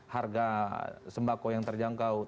harga sembako yang terjangkau